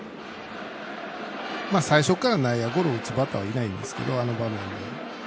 最初から内野ゴロを打つバッターはいないんですけどあの場面で。